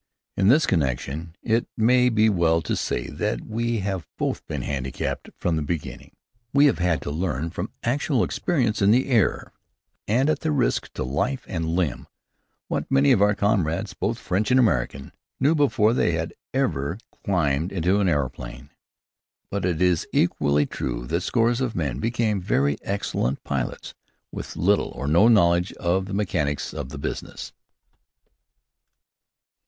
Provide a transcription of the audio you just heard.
In this connection, it may be well to say that we have both been handicapped from the beginning. We have had to learn, through actual experience in the air, and at risk to life and limb, what many of our comrades, both French and American, knew before they had ever climbed into an aeroplane. But it is equally true that scores of men become very excellent pilots with little or no knowledge of the mechanics of the business.